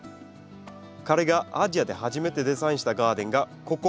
彼がアジアで初めてデザインしたガーデンがここ